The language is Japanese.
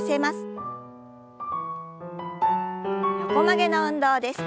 横曲げの運動です。